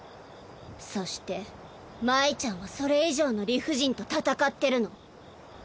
そして真依ちゃんはそれ以上の理不尽と戦ってるの。